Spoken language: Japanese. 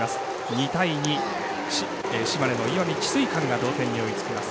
２対２、島根の石見智翠館が同点に追いつきます。